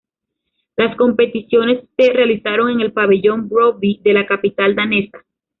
Las competiciones se realizaron en el Pabellón Brøndby de la capital danesa.